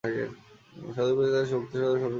সাধুর প্রতি তাঁদের ভক্তিশ্রদ্ধাও সফিকের মতোই।